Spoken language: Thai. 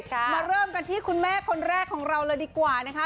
มาเริ่มกันที่คุณแม่คนแรกของเราเลยดีกว่านะคะ